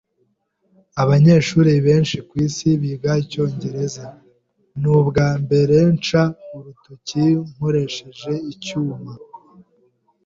Abanyeshuri benshi kwisi biga icyongereza. Nubwambere nca urutoki nkoresheje icyuma.